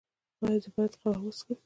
ایا زه باید قهوه وڅښم؟